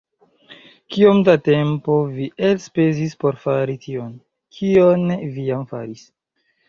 Kiom da tempo vi elspezis por fari tion, kion vi jam faris?